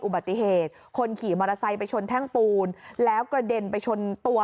อุบัติเหตุคนขี่มอเตอร์ไซค์ไปชนแท่งปูนแล้วกระเด็นไปชนตัว